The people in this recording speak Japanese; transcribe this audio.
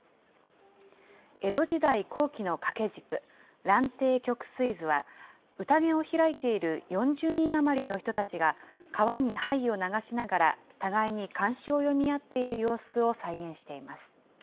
江戸時代後期の掛け軸、蘭亭曲水図は、うたげを開いている４０人余りの人たちが、川に杯を流しながら、互いに漢詩を詠み合っている様子を再現しています。